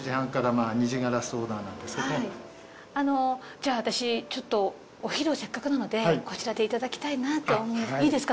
じゃあ私ちょっとお昼をせっかくなのでこちらでいただきたいなと。いいですか？